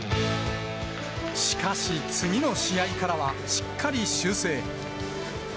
しかし、次の試合からはしっかり修正。